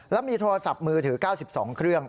แล้วมีโทรศัพท์มือถือ๙๒เครื่อง